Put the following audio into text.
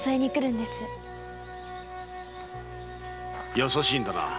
優しいんだな。